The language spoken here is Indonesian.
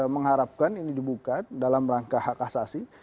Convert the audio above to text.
mengharapkan ini dibuka dalam rangka hak asasi